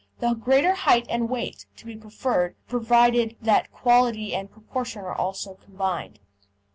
The greater height and weight to be preferred, provided that quality and proportion are also combined.